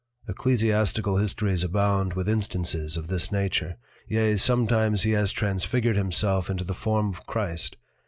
Ecclesiastical Histories abound with Instances of this nature. Yea, sometimes he has transfigured himself into the Form of Christ.